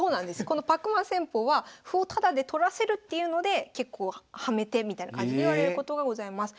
このパックマン戦法は歩をタダで取らせるっていうので結構ハメ手みたいな感じでいわれることがございます。